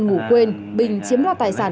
ngủ quên bình chiếm ra tài sản